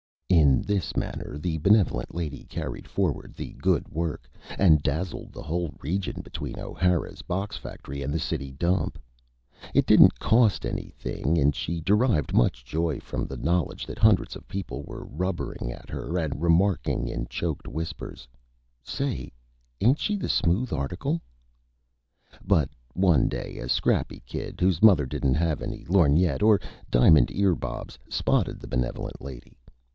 In this manner the Benevolent Lady carried forward the Good Work, and Dazzled the whole Region between O'Hara's Box Factory and the City Dump. It didn't Cost anything, and she derived much Joy from the Knowledge that Hundreds of People were Rubbering at her, and remarking in Choked Whispers: "Say, ain't she the Smooth Article?" But one day a Scrappy Kid, whose Mother didn't have any Lorgnette or Diamond Ear Bobs, spotted the Benevolent Lady.